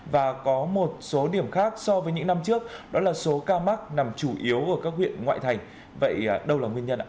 và có một số điểm khác so với những năm trước đó là số ca mắc nằm chủ yếu ở các huyện ngoại thành vậy đâu là nguyên nhân ạ